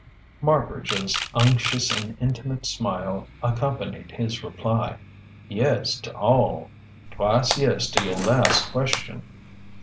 Marbridge's unctuous and intimate smile accompanied his reply: "Yes to all twice yes to your last question."